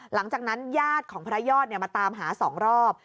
หลังจากนั้นญาติของพระยอดมาตามหา๒รอบ